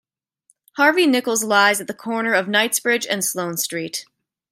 Harvey Nichols lies at the corner of Knightsbridge and Sloane Street.